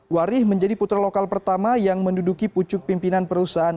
wari menjadi putra lokal pertama yang menduduki pucuk pimpinan perusahaan